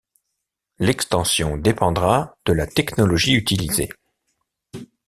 L'extension dépendra de la technologie utilisée.